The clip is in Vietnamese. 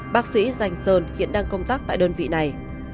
bác sĩ danh sơn hiện đang công tác tại đơn vị này